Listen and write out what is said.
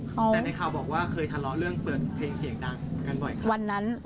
แต่ในข่าวบอกว่าเคยทะเลาะเรื่องเปิดเพลงเสียงดังกันบ่อยครับวันนั้น